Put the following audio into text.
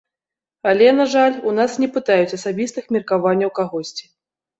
Але, на жаль, у нас не пытаюць асабістых меркаванняў кагосьці.